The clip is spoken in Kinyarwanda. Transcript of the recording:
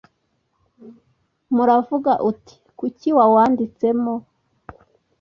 m uravuga uti kuki wawanditsemo